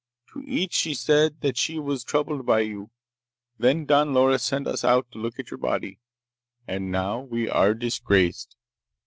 To each she said that she was troubled by you. Then Don Loris sent us out to look at your body. And now we are disgraced!"